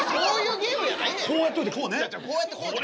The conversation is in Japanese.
こうやっといてこうね。